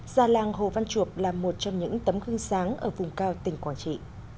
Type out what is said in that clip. già làng hồ văn chuộc là một trong những tấm gương sáng ở vùng cao tỉnh quảng trị